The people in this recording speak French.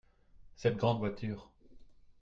Cette grande voiture.